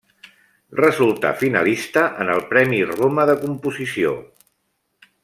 Resultà finalista en el Premi Roma de Composició.